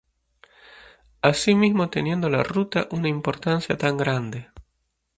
Así mismo teniendo la ruta una importancia tan grande.